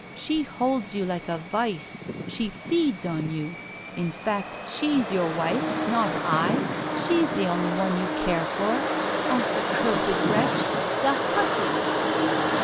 She holds you like a vice, she feeds on you; in fact, she's your wife, not I. She's the only one you care for! Ah! the cursed wretch, the hussy!